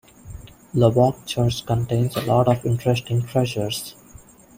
Loboc Church contains a lot of interesting treasures.